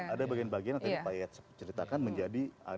ada bagian bagian yang tadi pak yayat ceritakan menjadi